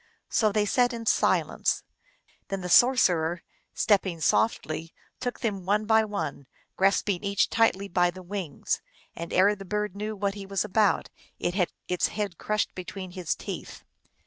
So they sat in silence. Then the sorcerer, stepping softly, took them one by one, grasping each tightly by the wings, and ere the bird knew what he was about it had its head crushed between his teeth.